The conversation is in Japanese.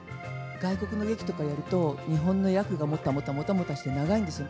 外国の劇とかやると、日本語の訳がもたもたもたもたして長いんですね。